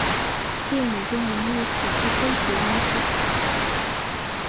电影中融入喜剧诙谐因素。